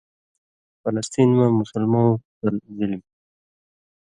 فلسطین مہ مسلمؤں تل ظلم